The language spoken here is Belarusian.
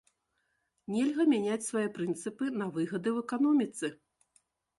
Нельга мяняць свае прынцыпы на выгады ў эканоміцы.